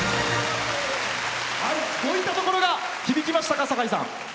どういったところが響きましたか？